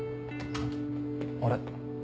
あれ？